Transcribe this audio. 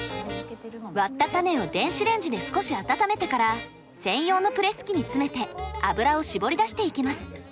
割った種を電子レンジで少し温めてから専用のプレス機に詰めて油を搾り出していきます。